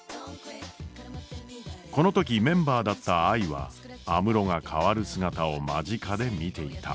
この時メンバーだったＡＩは安室が変わる姿を間近で見ていた。